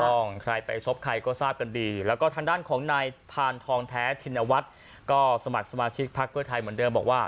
ใครไปซบใครก็ทราบกันดีแล้วก็ทางด้านของนายพานทองแท้ชินวัฒน์ก็สมัครสมาชิกพักเพื่อไทยเหมือนเดิมบอกว่า